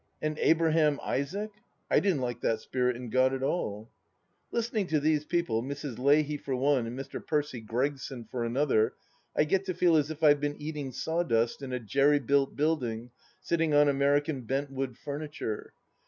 And " Abraman Isaac "1 I didn't like that spirit in God at all 1 Listening to these people, Mrs. Leahy for one and Mr. Percy Gregson for another, I get to feel as if I had been eat ing sawdust in a jerry built building, sitting on American bentwood furniture.